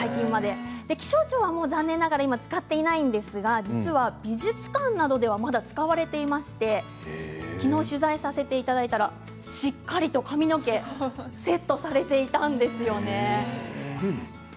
気象庁は残念ながら今使っていないんですが実は美術館などではまだ使われていましてきのう取材させていただいたらしっかりと髪の毛セットされていたんですよね。